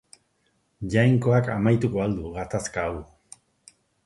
Jainkoak amaituko al du gatazka hau.